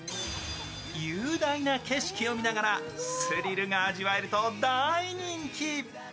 雄大な景色を見ながらスリルが味わえると大人気。